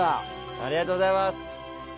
ありがとうございます。